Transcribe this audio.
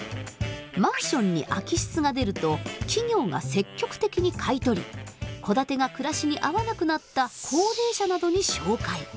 マンションに空き室が出ると企業が積極的に買い取り戸建てが暮らしに合わなくなった高齢者などに紹介。